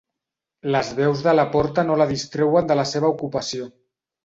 Les veus de la porta no la distreuen de la seva ocupació.